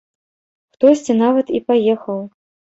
Хтосьці нават і паехаў.